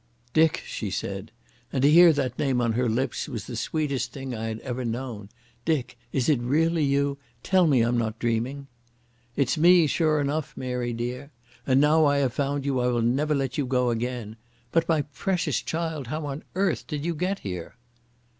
"Dick," she said, and to hear that name on her lips was the sweetest thing I had ever known. "Dick, is it really you? Tell me I'm not dreaming." "It's me, sure enough, Mary dear. And now I have found you I will never let you go again. But, my precious child, how on earth did you get here?"